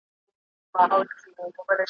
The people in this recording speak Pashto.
موږ اولاد د مبارک یو موږ سیدان یو ,